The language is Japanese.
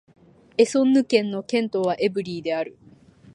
エソンヌ県の県都はエヴリーである